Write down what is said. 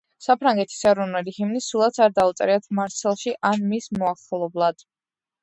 საფრანგეთის ეროვნული ჰიმნი სულაც არ დაუწერიათ მარსელში ან მის მახლობლად.